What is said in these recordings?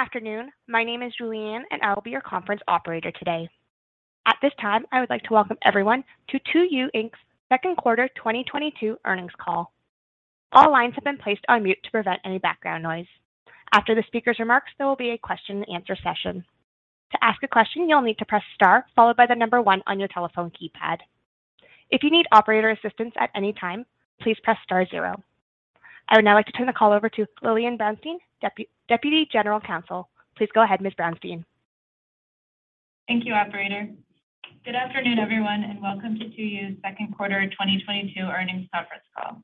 Good afternoon. My name is Julianne, and I will be your conference operator today. At this time, I would like to welcome everyone to 2U Inc.'s Q2 2022 Earnings Call. All lines have been placed on mute to prevent any background noise. After the speaker's remarks, there will be a question and answer session. To ask a question, you'll need to press star followed by the number one on your telephone keypad. If you need operator assistance at any time, please press star zero. I would now like to turn the call over to Lillian Brownstein, Deputy General Counsel. Please go ahead, Ms. Brownstein. Thank you, operator. Good afternoon everyone, and welcome to 2U's Q2 2022 Earnings Conference Call.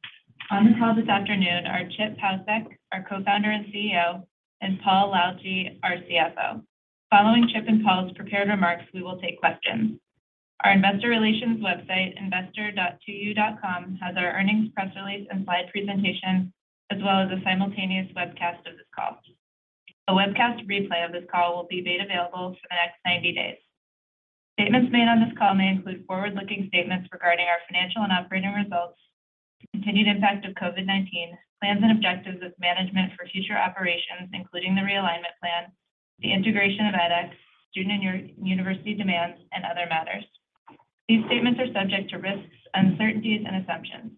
On the call this afternoon are Chip Paucek, our Co-founder and CEO, and Paul Lalljie, our CFO. Following Chip and Paul's prepared remarks, we will take questions. Our investor relations website, investor.2u.com, has our earnings press release and slide presentation, as well as a simultaneous webcast of this call. A webcast replay of this call will be made available for the next 90 days. Statements made on this call may include forward-looking statements regarding our financial and operating results, the continued impact of COVID-19, plans and objectives of management for future operations, including the realignment plan, the integration of edX, student and university demands, and other matters. These statements are subject to risks, uncertainties and assumptions.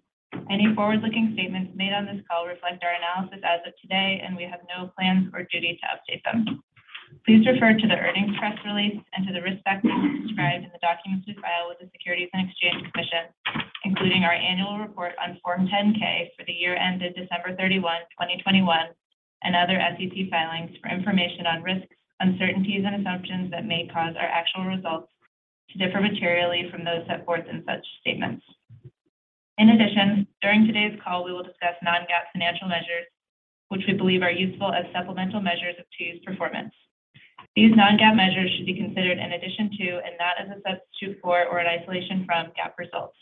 Any forward-looking statements made on this call reflect our analysis as of today, and we have no plans or duty to update them. Please refer to the earnings press release and to the risk factors described in the documents we file with the Securities and Exchange Commission, including our annual report on Form 10-K for the year ended 31 December 2021, and other SEC filings for information on risks, uncertainties, and assumptions that may cause our actual results to differ materially from those set forth in such statements. In addition, during today's call, we will discuss non-GAAP financial measures, which we believe are useful as supplemental measures of 2U's performance. These non-GAAP measures should be considered in addition to, and not as a substitute for or an isolation from GAAP results.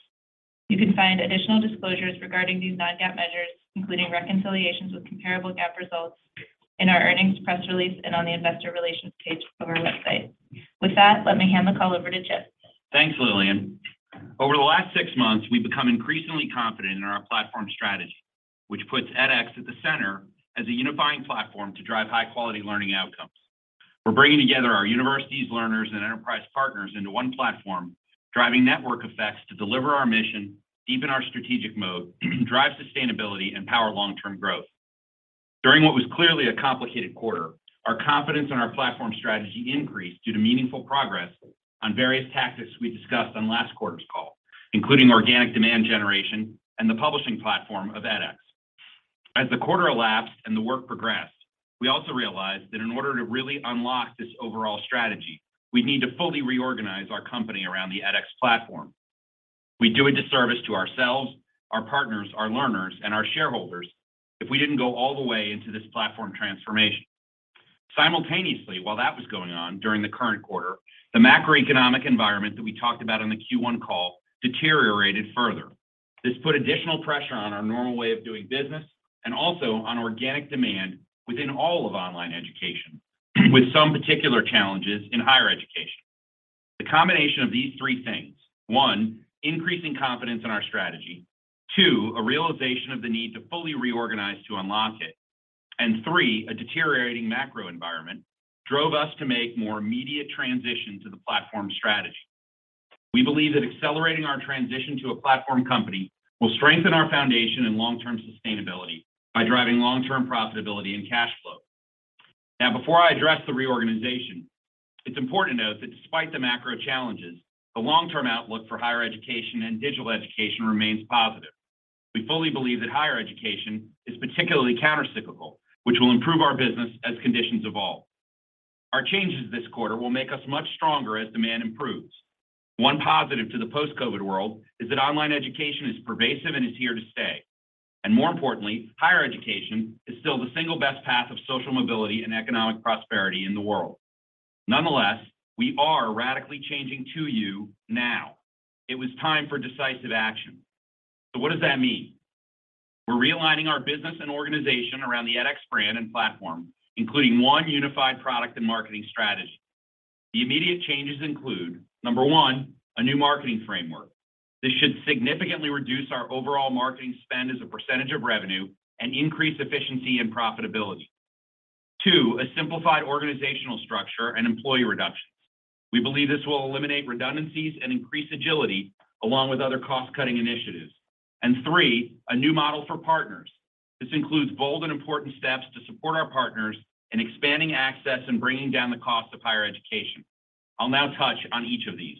You can find additional disclosures regarding these non-GAAP measures, including reconciliations with comparable GAAP results in our earnings press release and on the investor relations page of our website. With that, let me hand the call over to Chip. Thanks, Lillian. Over the last six months, we've become increasingly confident in our platform strategy, which puts edX at the center as a unifying platform to drive high-quality learning outcomes. We're bringing together our universities, learners, and enterprise partners into one platform, driving network effects to deliver our mission, deepen our strategic moat, drive sustainability, and power long-term growth. During what was clearly a complicated quarter, our confidence in our platform strategy increased due to meaningful progress on various tactics we discussed on last quarter's call, including organic demand generation and the publishing platform of edX. As the quarter elapsed and the work progressed, we also realized that in order to really unlock this overall strategy, we'd need to fully reorganize our company around the edX platform. We'd do a disservice to ourselves, our partners, our learners, and our shareholders if we didn't go all the way into this platform transformation. Simultaneously, while that was going on during the current quarter, the macroeconomic environment that we talked about on the Q1 call deteriorated further. This put additional pressure on our normal way of doing business and also on organic demand within all of online education, with some particular challenges in higher education. The combination of these three things, one, increasing confidence in our strategy, two, a realization of the need to fully reorganize to unlock it, and three, a deteriorating macro environment drove us to make more immediate transition to the platform strategy. We believe that accelerating our transition to a platform company will strengthen our foundation and long-term sustainability by driving long-term profitability and cash flow. Before I address the reorganization, it's important to note that despite the macro challenges, the long-term outlook for higher education and digital education remains positive. We fully believe that higher education is particularly countercyclical, which will improve our business as conditions evolve. Our changes this quarter will make us much stronger as demand improves. One positive to the post-COVID world is that online education is pervasive and is here to stay. More importantly, higher education is still the single best path of social mobility and economic prosperity in the world. Nonetheless, we are radically changing 2U now. It was time for decisive action. What does that mean? We're realigning our business and organization around the edX brand and platform, including one unified product and marketing strategy. The immediate changes include, number one, a new marketing framework. This should significantly reduce our overall marketing spend as a percentage of revenue and increase efficiency and profitability. Two, a simplified organizational structure and employee reduction. We believe this will eliminate redundancies and increase agility along with other cost-cutting initiatives. Three, a new model for partners. This includes bold and important steps to support our partners in expanding access and bringing down the cost of higher education. I'll now touch on each of these.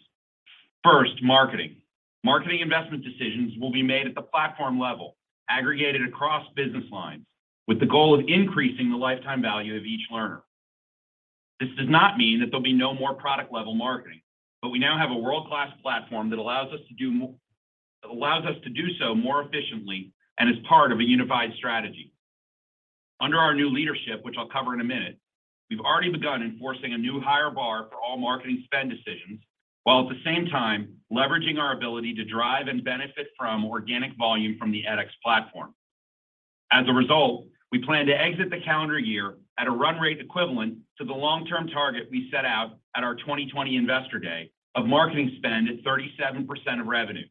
First, marketing. Marketing investment decisions will be made at the platform level, aggregated across business lines with the goal of increasing the lifetime value of each learner. This does not mean that there'll be no more product-level marketing, but we now have a world-class platform that allows us to do so more efficiently and is part of a unified strategy. Under our new leadership, which I'll cover in a minute, we've already begun enforcing a new higher bar for all marketing spend decisions, while at the same time leveraging our ability to drive and benefit from organic volume from the edX platform. As a result, we plan to exit the calendar year at a run rate equivalent to the long-term target we set out at our 2020 Investor Day of marketing spend at 37% of revenue.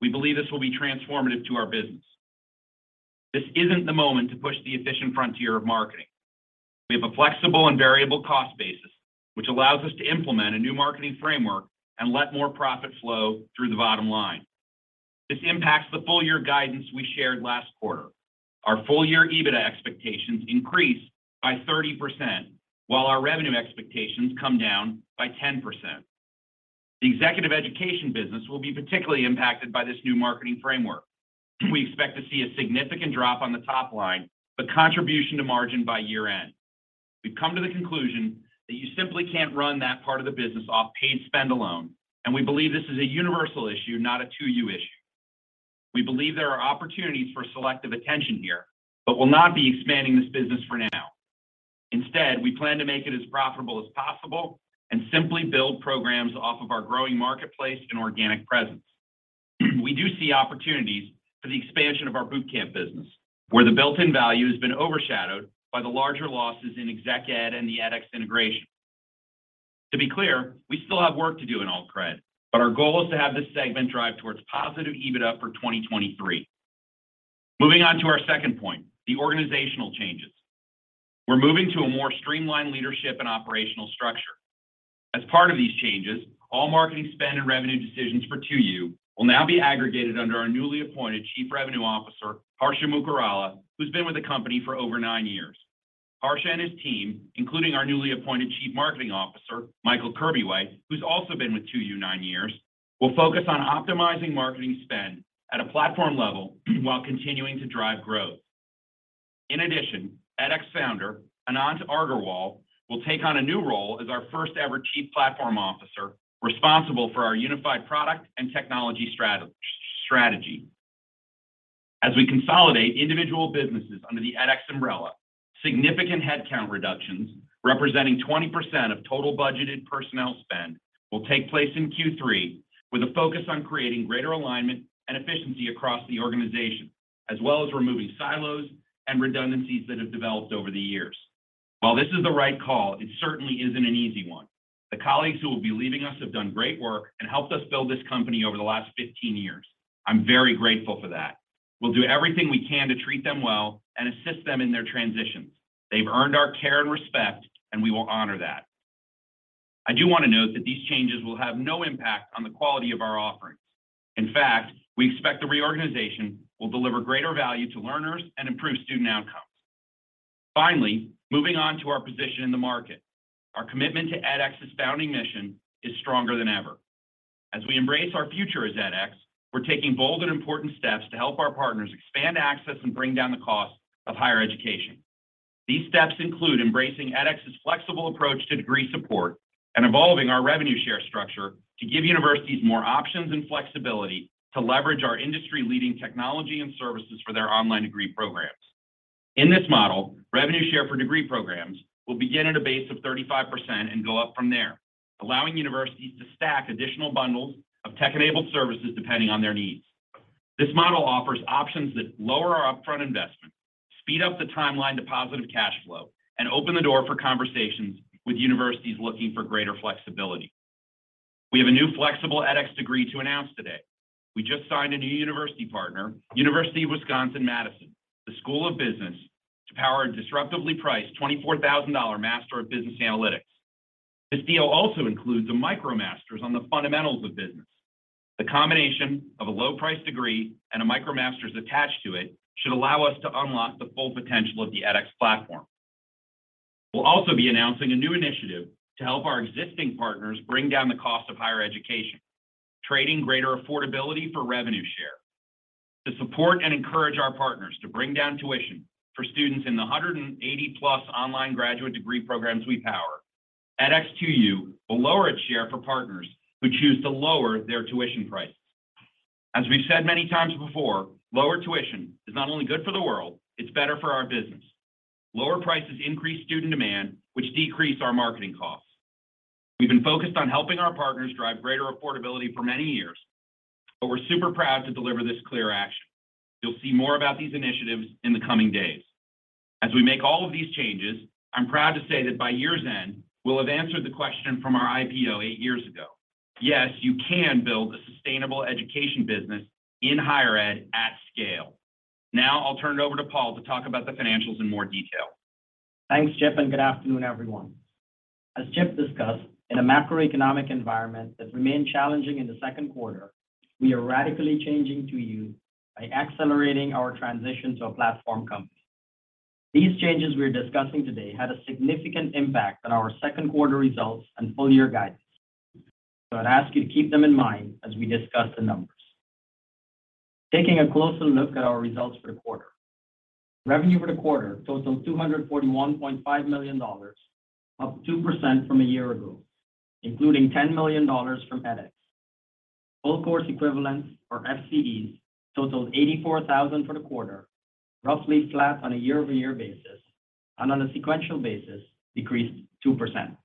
We believe this will be transformative to our business. This isn't the moment to push the efficient frontier of marketing. We have a flexible and variable cost basis, which allows us to implement a new marketing framework and let more profit flow through the bottom line. This impacts the full-year guidance we shared last quarter. Our full-year EBITDA expectations increased by 30%, while our revenue expectations come down by 10%. The executive education business will be particularly impacted by this new marketing framework. We expect to see a significant drop on the top line, but contribution to margin by year-end. We've come to the conclusion that you simply can't run that part of the business off paid spend alone, and we believe this is a universal issue, not a 2U issue. We believe there are opportunities for selective attention here, but will not be expanding this business for now. Instead, we plan to make it as profitable as possible and simply build programs off of our growing marketplace and organic presence. We do see opportunities for the expansion of our boot camp business, where the built-in value has been overshadowed by the larger losses in exec ed and the edX integration. To be clear, we still have work to do in Alt Cred, but our goal is to have this segment drive towards positive EBITDA for 2023. Moving on to our second point, the organizational changes. We're moving to a more streamlined leadership and operational structure. As part of these changes, all marketing spend and revenue decisions for 2U will now be aggregated under our newly appointed Chief Revenue Officer, Harsha Mokkarala, who's been with the company for over nine years. Harsha and his team, including our newly appointed Chief Marketing Officer, Michael Kurbjeweit, who's also been with 2U nine years, will focus on optimizing marketing spend at a platform level while continuing to drive growth. In addition, edX founder, Anant Agarwal, will take on a new role as our first-ever Chief Platform Officer, responsible for our unified product and technology strategy. As we consolidate individual businesses under the edX umbrella, significant headcount reductions representing 20% of total budgeted personnel spend will take place in Q3, with a focus on creating greater alignment and efficiency across the organization, as well as removing silos and redundancies that have developed over the years. While this is the right call, it certainly isn't an easy one. The colleagues who will be leaving us have done great work and helped us build this company over the last 15 years. I'm very grateful for that. We'll do everything we can to treat them well and assist them in their transitions. They've earned our care and respect, and we will honor that. I do want to note that these changes will have no impact on the quality of our offerings. In fact, we expect the reorganization will deliver greater value to learners and improve student outcomes. Finally, moving on to our position in the market. Our commitment to edX's founding mission is stronger than ever. As we embrace our future as edX, we're taking bold and important steps to help our partners expand access and bring down the cost of higher education. These steps include embracing edX's flexible approach to degree support and evolving our revenue share structure to give universities more options and flexibility to leverage our industry-leading technology and services for their online degree programs. In this model, revenue share for degree programs will begin at a base of 35% and go up from there, allowing universities to stack additional bundles of tech-enabled services depending on their needs. This model offers options that lower our upfront investment, speed up the timeline to positive cash flow, and open the door for conversations with universities looking for greater flexibility. We have a new flexible edX degree to announce today. We just signed a new university partner, University of Wisconsin–Madison, the School of Business, to power a disruptively priced $24,000 Master of Business Analytics. This deal also includes a MicroMasters on the fundamentals of business. The combination of a low-priced degree and a MicroMasters attached to it should allow us to unlock the full potential of the edX platform. We'll also be announcing a new initiative to help our existing partners bring down the cost of higher education, trading greater affordability for revenue share. To support and encourage our partners to bring down tuition for students in the 180+ online graduate degree programs we power, edX/2U will lower its share for partners who choose to lower their tuition price. As we've said many times before, lower tuition is not only good for the world, it's better for our business. Lower prices increase student demand, which decrease our marketing costs. We've been focused on helping our partners drive greater affordability for many years, but we're super proud to deliver this clear action. You'll see more about these initiatives in the coming days. As we make all of these changes, I'm proud to say that by year's end, we'll have answered the question from our IPO eight years ago. Yes, you can build a sustainable education business in higher ed at scale. Now I'll turn it over to Paul to talk about the financials in more detail. Thanks, Chip and good afternoon, everyone. As Chip discussed, in a macroeconomic environment that remained challenging in the Q2, we are radically changing 2U by accelerating our transition to a platform company. These changes we're discussing today had a significant impact on our Q2 results and full-year guidance. I'd ask you to keep them in mind as we discuss the numbers. Taking a closer look at our results for the quarter. Revenue for the quarter totaled $241.5 million, up 2% from a year ago, including $10 million from edX. Full Course Equivalents, or FCEs, totaled 84,000 for the quarter, roughly flat on a year-over-year basis, and on a sequential basis, decreased 2%.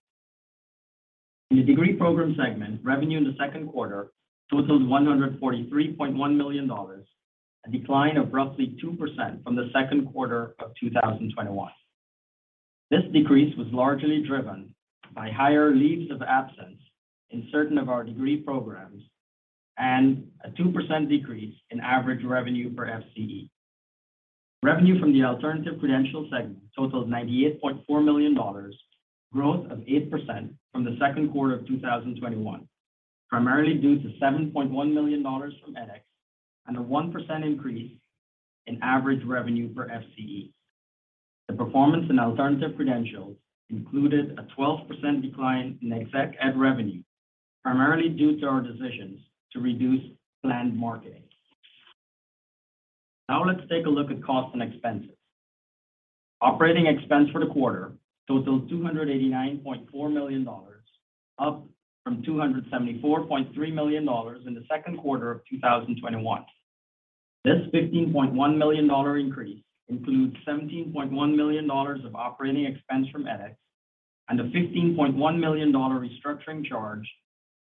In the Degree Program Segment, revenue in the Q2 totaled $143.1 million, a decline of roughly 2% from the Q2 of 2021. This decrease was largely driven by higher leaves of absence in certain of our degree programs and a 2% decrease in average revenue per FCE. Revenue from the Alternative Credential Segment totaled $98.4 million, growth of 8% from the Q2 of 2021, primarily due to $7.1 million from edX and a 1% increase in average revenue per FCE. The performance in alternative credentials included a 12% decline in Exec-Ed revenue, primarily due to our decisions to reduce planned marketing. Now let's take a look at costs and expenses. Operating expense for the quarter totaled $289.4 million, up from $274.3 million in the Q2 of 2021. This $15.1 million increase includes $17.1 million of operating expense from edX and a $15.1 million restructuring charge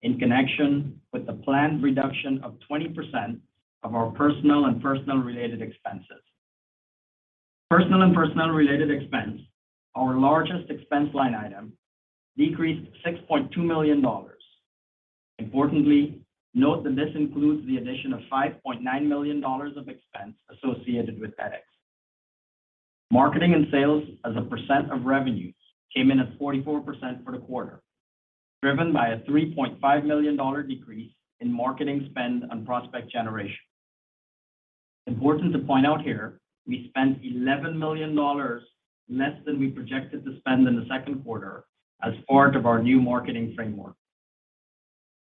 in connection with the planned reduction of 20% of our personal and personnel-related expenses. Personal and personnel-related expense, our largest expense line item, decreased $6.2 million. Importantly, note that this includes the addition of $5.9 million of expense associated with edX. Marketing and sales as a percent of revenues came in at 44% for the quarter, driven by a $3.5 million decrease in marketing spend and prospect generation. Important to point out here, we spent $11 million less than we projected to spend in the Q2 as part of our new marketing framework.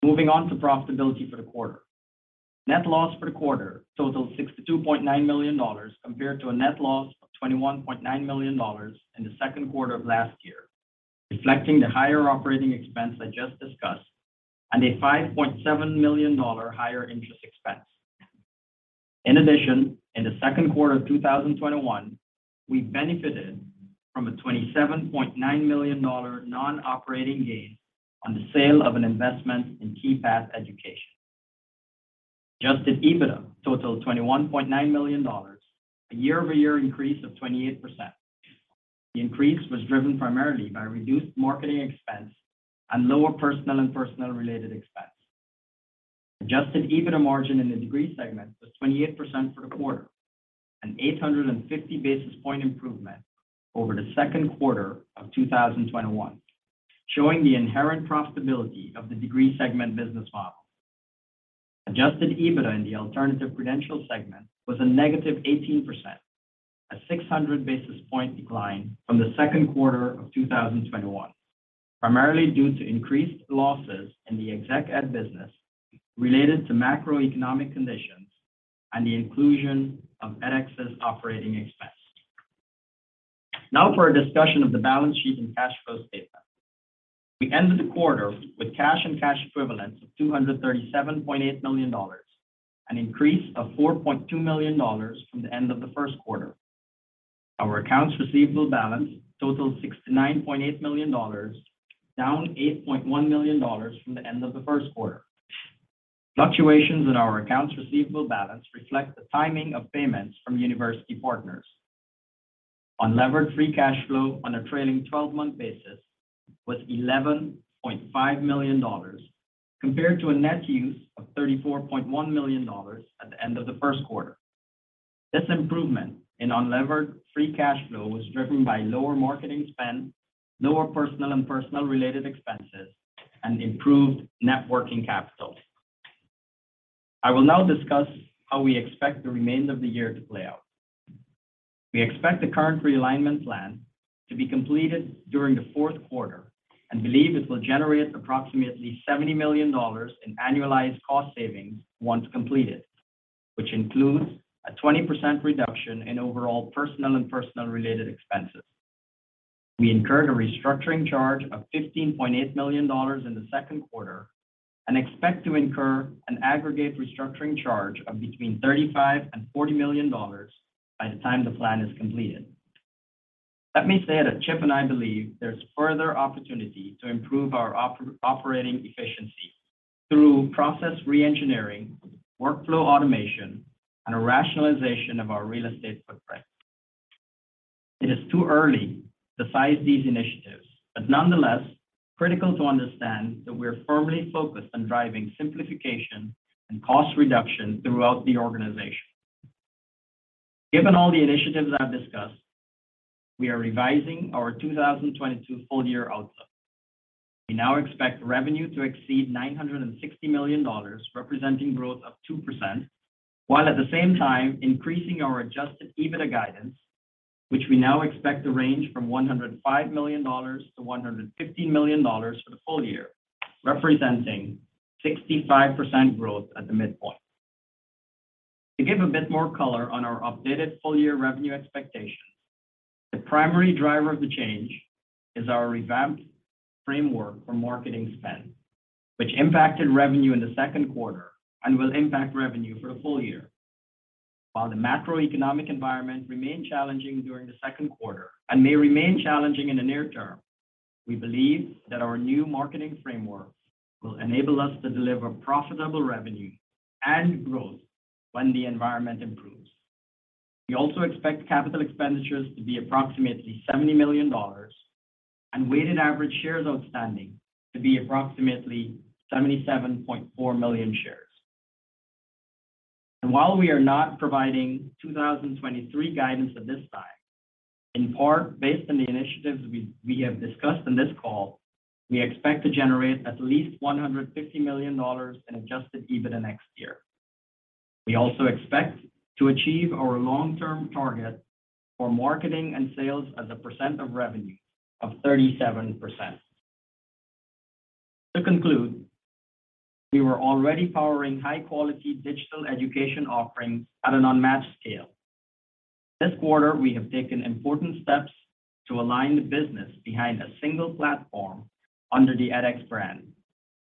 Moving on to profitability for the quarter. Net loss for the quarter totaled $62.9 million compared to a net loss of $21.9 million in the Q2 of last year, reflecting the higher operating expense I just discussed and a $5.7 million higher interest expense. In addition, in the Q2 of 2021, we benefited from a $27.9 million non-operating gain on the sale of an investment in Keypath Education. Adjusted EBITDA totaled $21.9 million, a year-over-year increase of 28%. The increase was driven primarily by reduced marketing expense and lower personnel and personnel-related expense. Adjusted EBITDA margin in the degree segment was 28% for the quarter, an 850 basis point improvement over the Q2 of 2021, showing the inherent profitability of the degree segment business model. Adjusted EBITDA in the alternative credential segment was -18%, a 600 basis point decline from the Q2 of 2021, primarily due to increased losses in the Executive Education business related to macroeconomic conditions and the inclusion of edX's operating expense. Now for a discussion of the balance sheet and cash flow statement. We ended the quarter with cash and cash equivalents of $237.8 million, an increase of $4.2 million from the end of the Q1. Our accounts receivable balance totaled $69.8 million, down $8.1 million from the end of the Q1. Fluctuations in our accounts receivable balance reflect the timing of payments from university partners. Unlevered free cash flow on a trailing 12-month basis was $11.5 million compared to a net use of $34.1 million at the end of the Q1. This improvement in unlevered free cash flow was driven by lower marketing spend, lower personnel and personnel-related expenses, and improved working capital. I will now discuss how we expect the remainder of the year to play out. We expect the current realignment plan to be completed during the Q4 and believe it will generate approximately $70 million in annualized cost savings once completed, which includes a 20% reduction in overall personnel and personnel-related expenses. We incurred a restructuring charge of $15.8 million in the Q2 and expect to incur an aggregate restructuring charge of between $35 and 40 million by the time the plan is completed. Let me say that Chip and I believe there's further opportunity to improve our operating efficiency through process re-engineering, workflow automation, and a rationalization of our real estate footprint. It is too early to size these initiatives, but nonetheless, critical to understand that we're firmly focused on driving simplification and cost reduction throughout the organization. Given all the initiatives I've discussed, we are revising our 2022 full-year outlook. We now expect revenue to exceed $960 million, representing growth of 2%, while at the same time increasing our adjusted EBITDA guidance, which we now expect to range from $105 to 150 million for the full year, representing 65% growth at the midpoint. To give a bit more color on our updated full-year revenue expectation, the primary driver of the change is our revamped framework for marketing spend, which impacted revenue in the Q2 and will impact revenue for the full year. While the macroeconomic environment remained challenging during the Q2 and may remain challenging in the near term. We believe that our new marketing framework will enable us to deliver profitable revenue and growth when the environment improves. We also expect capital expenditures to be approximately $70 million and weighted average shares outstanding to be approximately 77.4 million shares. While we are not providing 2023 guidance at this time, in part based on the initiatives we have discussed in this call, we expect to generate at least $150 million in adjusted EBITDA next year. We also expect to achieve our long-term target for marketing and sales as a percent of revenue of 37%. To conclude, we were already powering high-quality digital education offerings at an unmatched scale. This quarter, we have taken important steps to align the business behind a single platform under the edX brand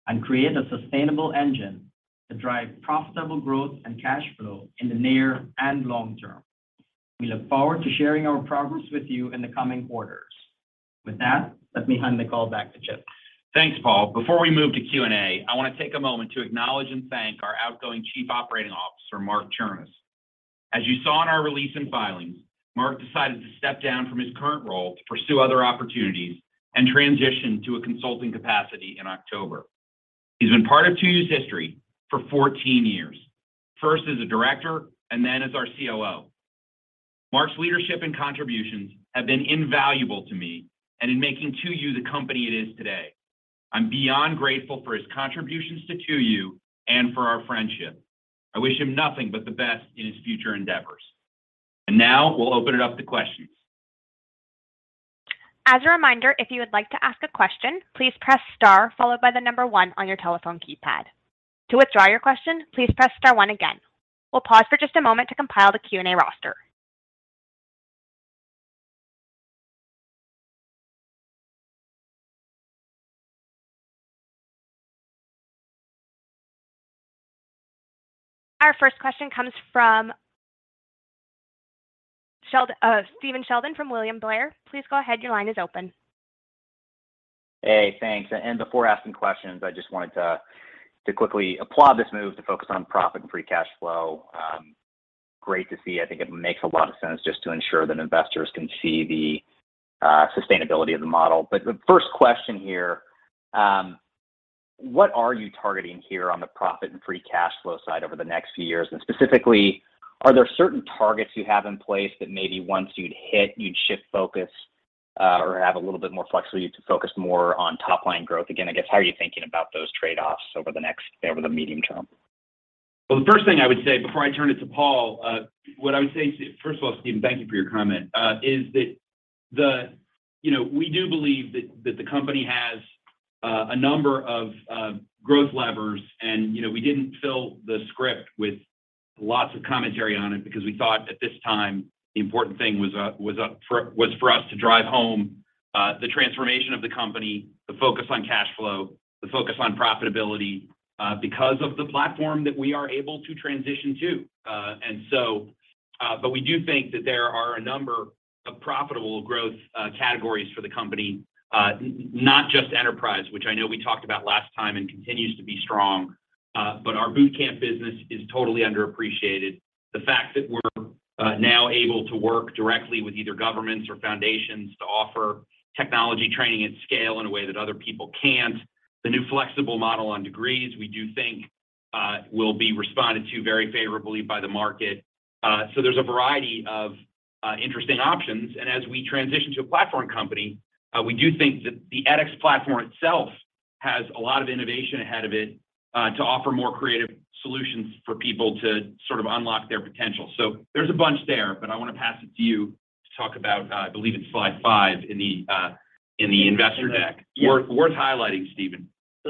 and create a sustainable engine to drive profitable growth and cash flow in the near and long term. We look forward to sharing our progress with you in the coming quarters. With that, le`t me hand the call back to Chip. Thanks, Paul. Before we move to Q&A, I want to take a moment to acknowledge and thank our outgoing Chief Operating Officer, Mark Chernis. As you saw in our release and filings, Mark decided to step down from his current role to pursue other opportunities and transition to a consulting capacity in October. He's been part of 2U's history for 14 years, first as a director and then as our COO. Mark's leadership and contributions have been invaluable to me and in making 2U the company it is today. I'm beyond grateful for his contributions to 2U and for our friendship. I wish him nothing but the best in his future endeavors. Now we'll open it up to questions. As a reminder, if you would like to ask a question, please press star followed by the number one on your telephone keypad. To withdraw your question, please press star one again. We'll pause for just a moment to compile the Q&A roster. Our first question comes from Stephen Sheldon from William Blair. Please go ahead. Your line is open. Hey, thanks. Before asking questions, I just wanted to quickly applaud this move to focus on profit and free cash flow. Great to see. I think it makes a lot of sense just to ensure that investors can see the sustainability of the model. The first question here, what are you targeting here on the profit and free cash flow side over the next few years? And specifically, are there certain targets you have in place that maybe once you'd hit, you'd shift focus, or have a little bit more flexibility to focus more on top-line growth? Again, I guess how are you thinking about those trade-offs over the medium term? Well, the first thing I would say before I turn it to Paul is that first of all, Stephen, thank you for your comment. You know, we do believe that the company has a number of growth levers, and you know, we didn't fill the script with lots of commentary on it because we thought at this time the important thing was for us to drive home the transformation of the company, the focus on cash flow, the focus on profitability, because of the platform that we are able to transition to. We do think that there are a number of profitable growth categories for the company, not just enterprise, which I know we talked about last time and continues to be strong. Our boot camp business is totally underappreciated. The fact that we're now able to work directly with either governments or foundations to offer technology training at scale in a way that other people can't. The new flexible model on degrees, we do think, will be responded to very favorably by the market. There's a variety of interesting options. As we transition to a platform company, we do think that the edX platform itself has a lot of innovation ahead of it to offer more creative solutions for people to sort of unlock their potential. There's a bunch there, but I wanna pass it to you to talk about, I believe it's slide five in the investor deck. Sure. Yeah. Worth highlighting, Stephen.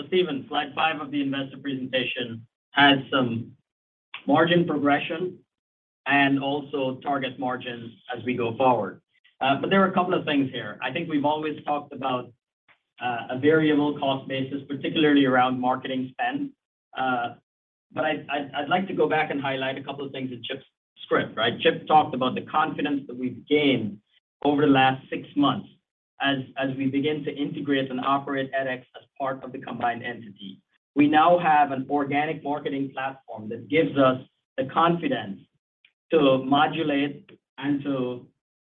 Stephen, slide five of the investor presentation has some margin progression and also target margins as we go forward. But there are a couple of things here. I think we've always talked about a variable cost basis, particularly around marketing spend. But I'd like to go back and highlight a couple of things in Chip's script, right? Chip talked about the confidence that we've gained over the last six months as we begin to integrate and operate edX as part of the combined entity. We now have an organic marketing platform that gives us the confidence to modulate and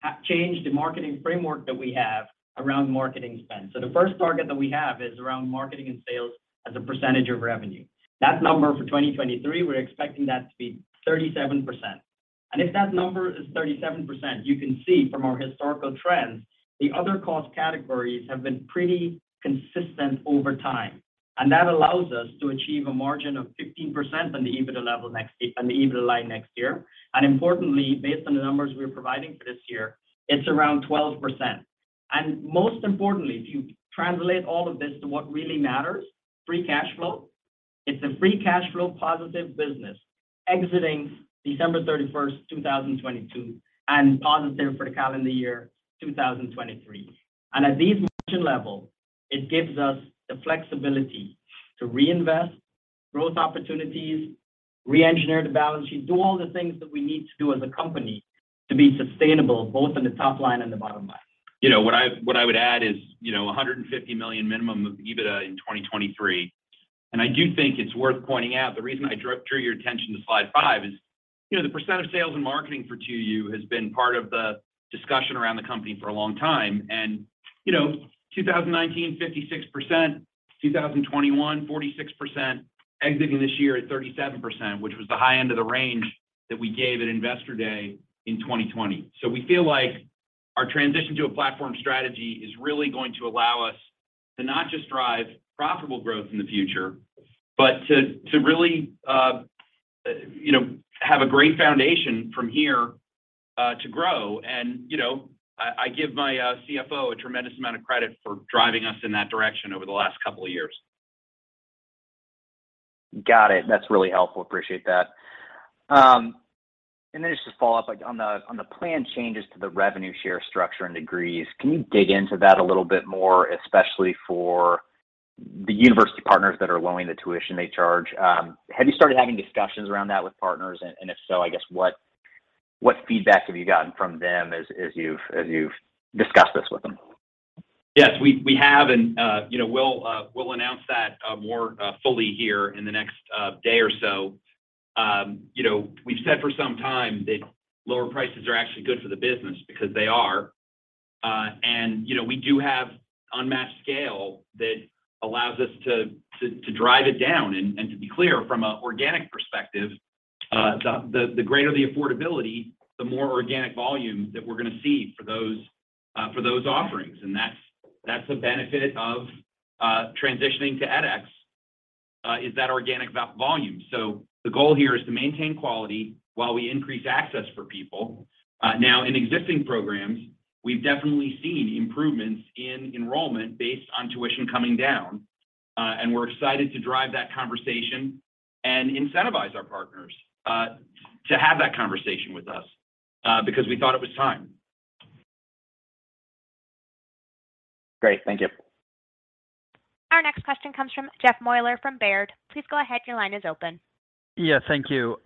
to change the marketing framework that we have around marketing spend. The first target that we have is around marketing and sales as a percentage of revenue. That number for 2023, we're expecting that to be 37%. If that number is 37%, you can see from our historical trends, the other cost categories have been pretty consistent over time. That allows us to achieve a margin of 15% on the EBITDA level next year, on the EBITDA line next year. Importantly, based on the numbers we're providing for this year, it's around 12%. Most importantly, if you translate all of this to what really matters, free cash flow. It's a free cash flow positive business exiting 31 December 2022, and positive for the calendar year 2023. At these margin levels, it gives us the flexibility to reinvest in growth opportunities, re-engineer the balance sheet, do all the things that we need to do as a company to be sustainable, both on the top line and the bottom line. You know what I would add is, you know, $150 million minimum of EBITDA in 2023. I do think it's worth pointing out, the reason I drew your attention to slide five is, you know, the percent of sales and marketing for 2U has been part of the discussion around the company for a long time. You know, 2019 56%, 2021 46%, exiting this year at 37%, which was the high end of the range that we gave at Investor Day in 2020. We feel like our transition to a platform strategy is really going to allow us to not just drive profitable growth in the future, but to really, you know, have a great foundation from here to grow. You know, I give my CFO a tremendous amount of credit for driving us in that direction over the last couple of years. Got it. That's really helpful. Appreciate that. Just to follow up, like on the planned changes to the revenue share structure and degrees, can you dig into that a little bit more, especially for the university partners that are lowering the tuition they charge? Have you started having discussions around that with partners? If so, I guess what feedback have you gotten from them as you've discussed this with them? Yes, we have and you know, we'll announce that more fully here in the next day or so. You know, we've said for some time that lower prices are actually good for the business because they are. You know, we do have unmatched scale that allows us to drive it down and to be clear from an organic perspective, the greater the affordability, the more organic volume that we're gonna see for those offerings. That's the benefit of transitioning to edX is that organic volume. The goal here is to maintain quality while we increase access for people. Now in existing programs, we've definitely seen improvements in enrollment based on tuition coming down. We're excited to drive that conversation and incentivize our partners to have that conversation with us because we thought it was time. Great. Thank you. Our next question comes from Jeff Meuler from Baird. Please go ahead. Your line is open. Yeah, thank you.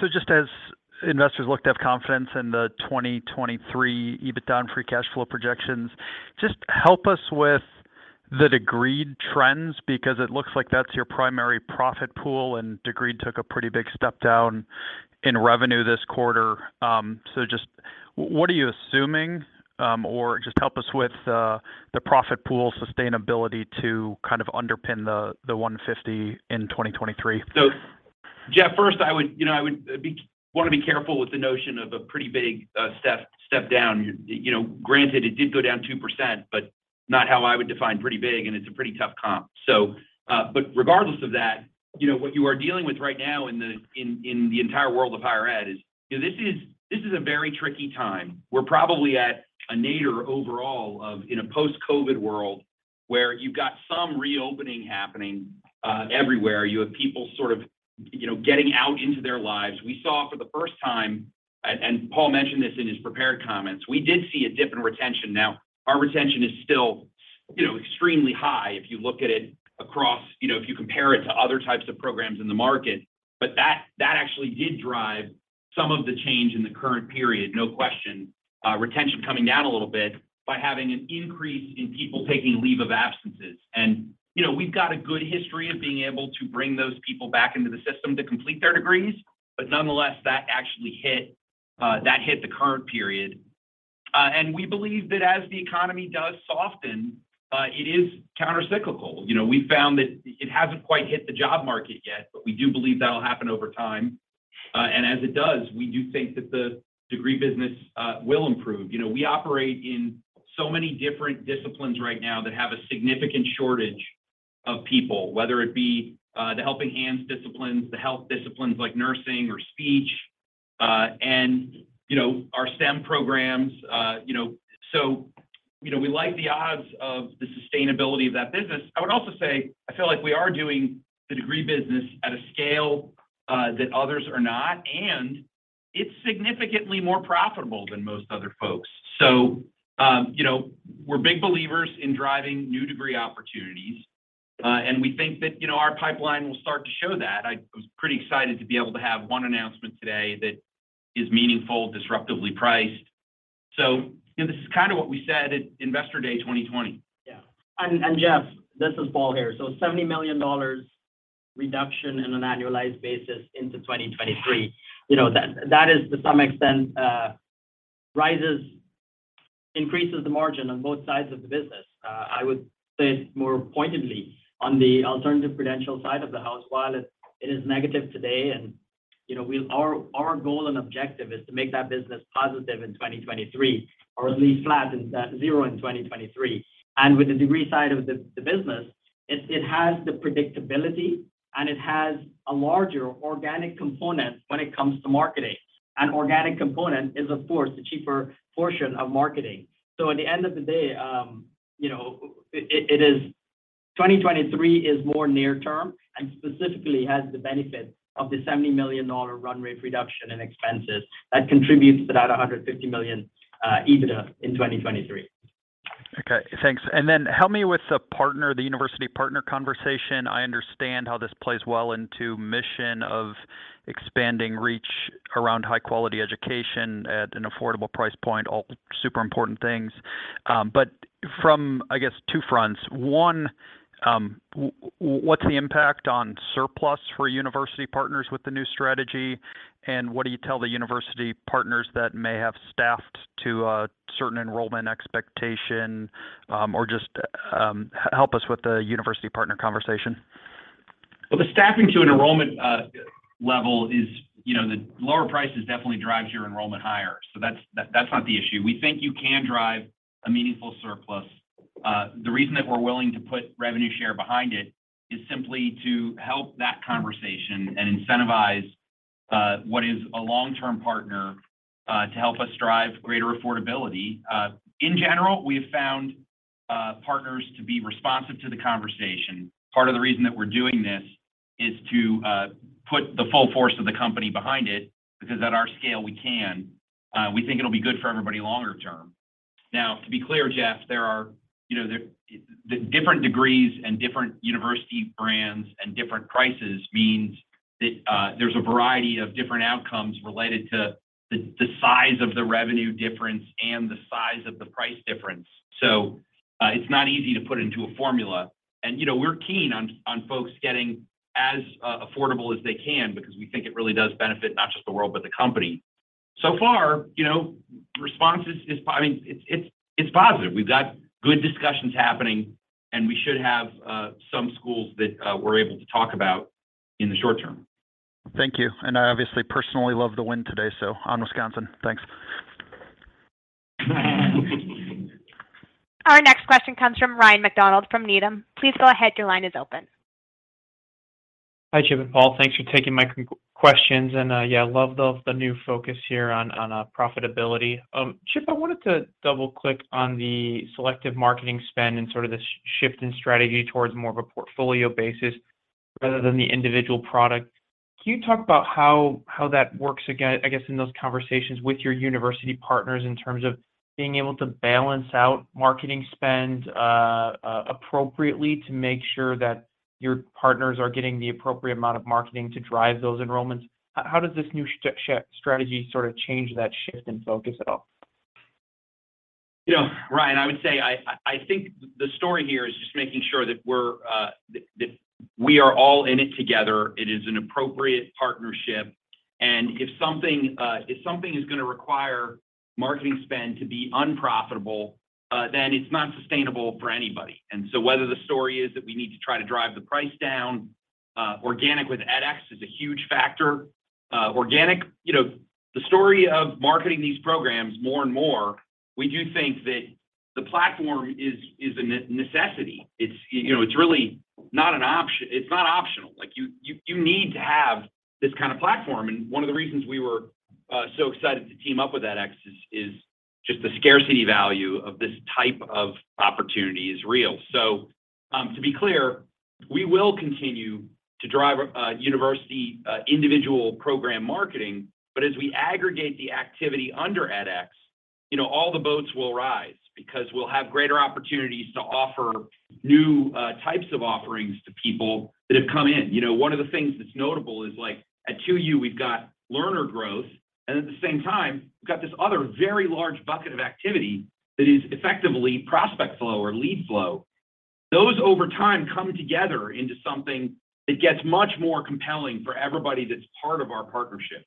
Just as investors look to have confidence in the 2023 EBITDA and free cash flow projections, help us with the degree trends, because it looks like that's your primary profit pool, and degree took a pretty big step down in revenue this quarter. Just what are you assuming or just help us with the profit pool sustainability to kind of underpin the $150 million in 2023. Jeff, first I would, you know, wanna be careful with the notion of a pretty big step down. You know, granted it did go down 2%, but not how I would define pretty big, and it's a pretty tough comp. But regardless of that, you know, what you are dealing with right now in the entire world of higher ed is, you know, this is a very tricky time. We're probably at a nadir overall in a post-COVID world where you've got some reopening happening everywhere. You have people sort of, you know, getting out into their lives. We saw for the first time, and Paul mentioned this in his prepared comments, we did see a dip in retention. Now our retention is still, you know, extremely high if you look at it across, you know, if you compare it to other types of programs in the market. That actually did drive some of the change in the current period, no question, retention coming down a little bit by having an increase in people taking leave of absences. You know, we've got a good history of being able to bring those people back into the system to complete their degrees, but nonetheless, that actually hit that hit the current period. We believe that as the economy does soften, it is countercyclical. You know, we found that it hasn't quite hit the job market yet, but we do believe that'll happen over time. As it does, we do think that the degree business will improve. You know, we operate in so many different disciplines right now that have a significant shortage of people, whether it be, the helping hands disciplines, the health disciplines like nursing or speech, and you know, our STEM programs. You know, we like the odds of the sustainability of that business. I would also say I feel like we are doing the degree business at a scale, that others are not, and it's significantly more profitable than most other folks. You know, we're big believers in driving new degree opportunities, and we think that, you know, our pipeline will start to show that. I was pretty excited to be able to have one announcement today that is meaningful, disruptively priced. You know, this is kind of what we said at Investor Day 2020. Yeah. Jeff, this is Paul here. $70 million reduction on an annualized basis into 2023, you know, that is to some extent increases the margin on both sides of the business. I would say more pointedly on the Alternative credential side of the house, while it is negative today, and you know, our goal and objective is to make that business positive in 2023, or at least flat in zero in 2023. With the Degree side of the business, it has the predictability and it has a larger organic component when it comes to marketing. An organic component is of course the cheaper portion of marketing. At the end of the day, you know, it is. 2023 is more near term and specifically has the benefit of the $70 million run rate reduction in expenses that contributes to that $150 million EBITDA in 2023. Okay, thanks. Help me with the partner, the university partner conversation. I understand how this plays well into mission of expanding reach around high-quality education at an affordable price point, all super important things. From, I guess, two fronts. One, what's the impact on surplus for university partners with the new strategy? What do you tell the university partners that may have staffed to a certain enrollment expectation, or just, help us with the university partner conversation. Well, the staffing to an enrollment level is, you know, the lower prices definitely drives your enrollment higher. That's not the issue. We think you can drive a meaningful surplus. The reason that we're willing to put revenue share behind it is simply to help that conversation and incentivize what is a long-term partner to help us drive greater affordability. In general, we have found partners to be responsive to the conversation. Part of the reason that we're doing this is to put the full force of the company behind it, because at our scale, we can. We think it'll be good for everybody longer term. Now, to be clear, Jeff, there are, you know, the different degrees and different university brands and different prices means that, there's a variety of different outcomes related to the size of the revenue difference and the size of the price difference. It's not easy to put into a formula. You know, we're keen on folks getting as affordable as they can because we think it really does benefit not just the world, but the company. So far, you know, response is, I mean it's positive. We've got good discussions happening, and we should have some schools that we're able to talk about in the short term. Thank you. I obviously personally love the win today. So, on Wisconsin. Thanks. Our next question comes from Ryan MacDonald from Needham. Please go ahead. Your line is open. Hi, Chip and Paul. Thanks for taking my questions. Yeah, love the new focus here on profitability. Chip, I wanted to double-click on the selective marketing spend and sort of the shift in strategy towards more of a portfolio basis rather than the individual product. Can you talk about how that works again, I guess, in those conversations with your university partners in terms of being able to balance out marketing spend appropriately to make sure that your partners are getting the appropriate amount of marketing to drive those enrollments? How does this new strategy sort of change that shift in focus at all? You know, Ryan, I would say I think the story here is just making sure that we're that we are all in it together. It is an appropriate partnership. If something if something is gonna require marketing spend to be unprofitable then it's not sustainable for anybody. Whether the story is that we need to try to drive the price down organic with edX is a huge factor. Organic. You know, the story of marketing these programs more and more, we do think that the platform is a necessity. It's, you know, it's really not optional. Like, you need to have this kind of platform. One of the reasons we were so excited to team up with edX is just the scarcity value of this type of opportunity is real. To be clear, we will continue to drive university individual program marketing. As we aggregate the activity under edX, you know, all the boats will rise because we'll have greater opportunities to offer new types of offerings to people that have come in. You know, one of the things that's notable is, like, at 2U, we've got learner growth, and at the same time, we've got this other very large bucket of activity that is effectively prospect flow or lead flow. Those, over time, come together into something that gets much more compelling for everybody that's part of our partnerships.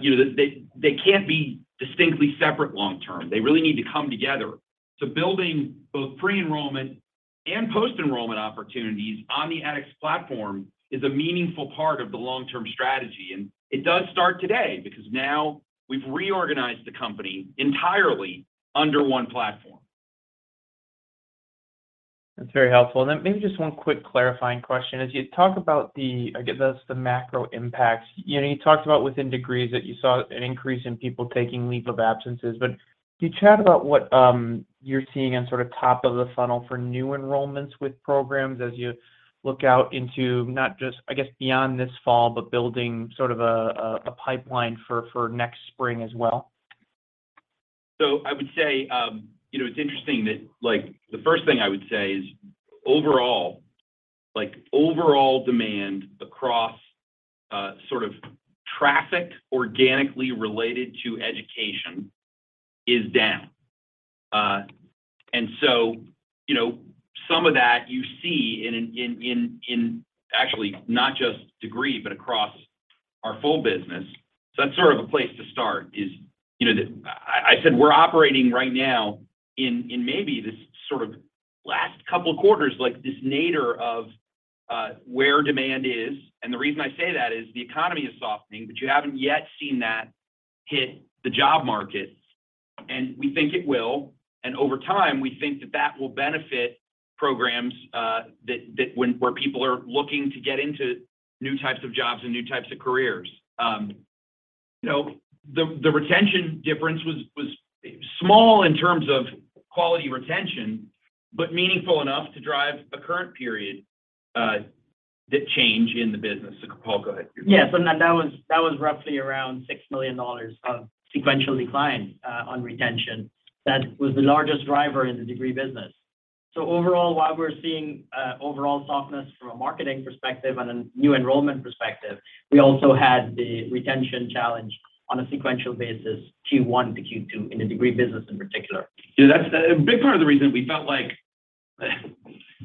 You know, they can't be distinctly separate long term. They really need to come together. Building both pre-enrollment and post-enrollment opportunities on the edX platform is a meaningful part of the long-term strategy. It does start today because now we've reorganized the company entirely under one platform. That's very helpful. Then maybe just one quick clarifying question. As you talk about the, I guess, the macro impacts, you know, you talked about within degrees that you saw an increase in people taking leave of absences. Can you chat about what you're seeing on sort of top of the funnel for new enrollments with programs as you look out into not just, I guess, beyond this fall, but building sort of a pipeline for next spring as well? I would say, you know, it's interesting that, like, the first thing I would say is overall, like, overall demand across, sort of traffic organically related to education is down. You know, some of that you see in, actually not just degree, but across our full business. That's sort of a place to start is, you know, I said we're operating right now in, maybe this sort of last couple quarters, like this nadir of, where demand is. The reason I say that is the economy is softening, but you haven't yet seen that hit the job market. We think it will. Over time, we think that that will benefit programs, that when where people are looking to get into new types of jobs and new types of careers. You know, the retention difference was small in terms of quality retention, but meaningful enough to drive a current period the change in the business. Paul, go ahead. Yes. That was roughly around $6 million of sequential decline on retention. That was the largest driver in the degree business. Overall, while we're seeing overall softness from a marketing perspective and a new enrollment perspective, we also had the retention challenge on a sequential basis, Q1 to Q2, in the degree business in particular. Yeah, that's a big part of the reason we felt like,